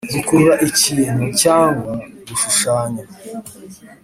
gukurura ikintu cyangwa gushushanya,